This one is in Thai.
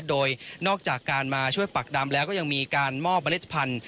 โดยนอกจากมาช่วยปากดำแล้วยังมีการมอบบตลัดภัณฑ์